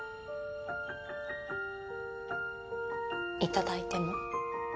いただいても。